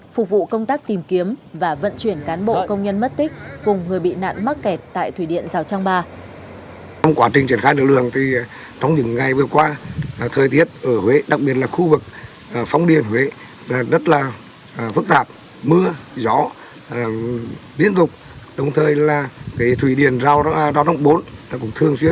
phục vụ công tác tìm kiếm và vận chuyển cán bộ công nhân mất tích cùng người bị nạn mắc kẹt tại thủy điện rào trang ba